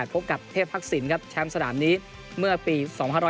พบกับเทพทักษิณครับแชมป์สนามนี้เมื่อปี๒๕๕๙